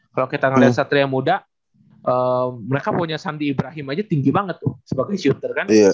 kalau kita ngeliat satria muda mereka punya sandi ibrahim aja tinggi banget tuh sebagai shooter kan